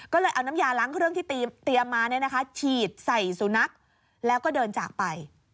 ก็เลยเอาน้ำยาล้างเครื่องที่เตรียมมาฉีดใส่สุนัขแล้วก็เดินจากไป